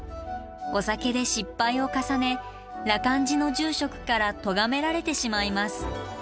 お酒で失敗を重ね羅漢寺の住職からとがめられてしまいます。